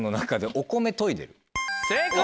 正解！